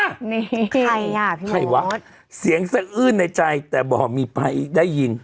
นี่ใครน่ะพี่โหนนต์ใครวะเสียงสะอืนในใจแต่บอกมีไพได้ยิน